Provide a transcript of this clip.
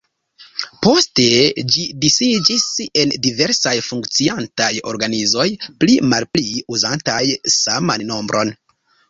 Poste ĝi disiĝis en diversaj funkciantaj organizoj pli mal pli uzantaj saman nombron.